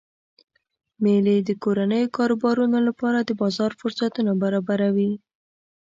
میلې د کورنیو کاروبارونو لپاره د بازار فرصتونه برابروي.